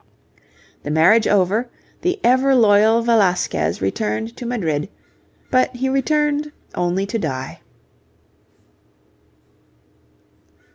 The marriage over, the ever loyal Velasquez returned to Madrid, but he returned only to die.